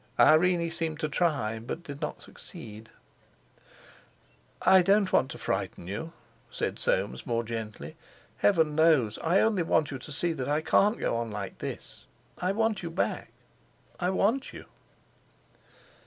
Irene seemed to try, but did not succeed. "I don't want to frighten you," said Soames more gently. "Heaven knows. I only want you to see that I can't go on like this. I want you back. I want you."